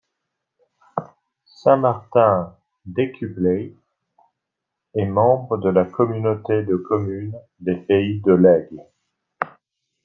Saint-Martin-d'Écublei est membre de la communauté de communes des Pays de L'Aigle.